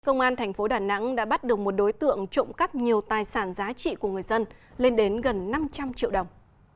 công an thành phố đà nẵng đã bắt được một đối tượng trộm cắp nhiều tài sản giá trị của người dân lên đến gần năm trăm linh triệu đồng